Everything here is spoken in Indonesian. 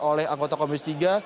oleh anggota komisi tiga